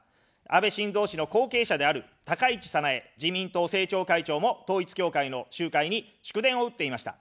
安倍晋三氏の後継者である高市早苗自民党政調会長も統一教会の集会に祝電を打っていました。